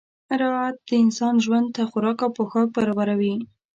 راعت د انسان ژوند ته خوراک او پوښاک برابروي.